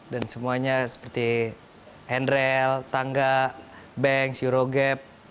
dan semuanya seperti handrail tangga banks euro gap